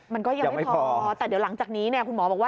มันก็ยังไม่พอแต่เดี๋ยวหลังจากนี้เนี่ยคุณหมอบอกว่า